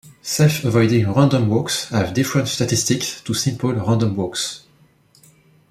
Self-avoiding random walks have different statistics to simple random walks.